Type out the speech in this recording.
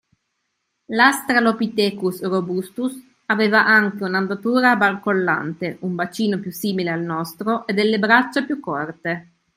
L'Astralopithecus Robustus aveva anche un'andatura barcollante, un bacino più simile al nostro e delle braccia più corte.